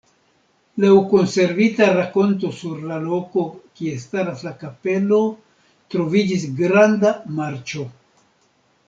Laŭ konservita rakonto sur la loko, kie staras la kapelo, troviĝis granda marĉo.